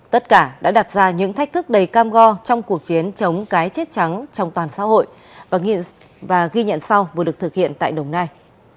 tất cả đã đặt ra những thách thức đầy cam go trong cuộc chiến chống cái chết trắng trong toàn xã hội và ghi nhận sau vừa được thực hiện tại đồng nai